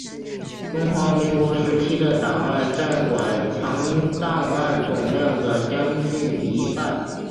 中华民国时期的档案占馆藏档案总量的将近一半。